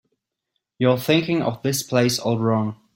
You're thinking of this place all wrong.